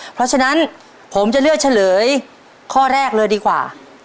เพราะฉะนั้นผมจะเลือกเฉลยข้อแรกเลยดีกว่า